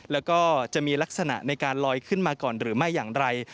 แล้วก็จะมีลักษณะในการลอยขึ้นมาก่อนหรือไม่อย่างไร